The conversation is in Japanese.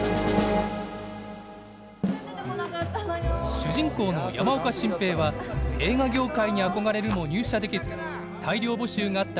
主人公の山岡進平は映画業界に憧れるも入社できず大量募集があった